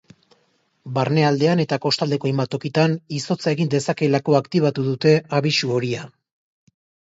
Barnealdean eta kostaldeko hainbat tokitan izotza egin dezakeelako aktibatu dute abisu horia.